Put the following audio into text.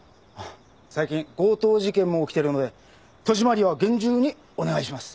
最近強盗事件も起きているので戸締まりは厳重にお願いします。